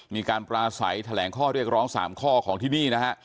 มีการปราศัยแถลงข้อเรียกร้อง๓ข้อของที่นี่นะฮะ